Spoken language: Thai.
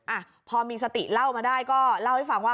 อ่ะพอมีสติเล่ามาได้ก็เล่าให้ฟังว่า